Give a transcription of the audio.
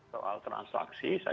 saya hampir sudah kira